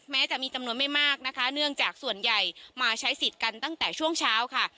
แม้จะมีจำนวนไม่มากนะคะเนื่องจากส่วนใหญ่มาใช้สิทธิ์กันตั้งแต่ช่วงเช้าค่ะ